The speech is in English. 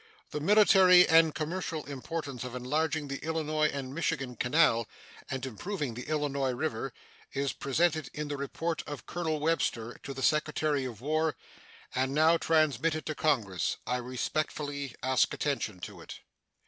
The military and commercial importance of enlarging the Illinois and Michigan Canal and improving the Illinois River is presented in the report of Colonel Webster to the Secretary of War, and now transmitted to Congress. I respectfully ask attention to it.